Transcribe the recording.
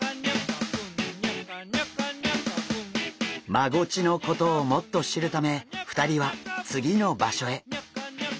マゴチのことをもっと知るため２人は次の場所へ！